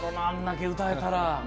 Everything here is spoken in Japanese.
あんだけ歌えたら。